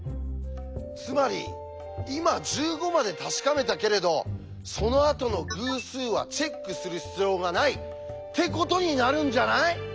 つまり今１５まで確かめたけれどそのあとの偶数はチェックする必要はない！ってことになるんじゃない？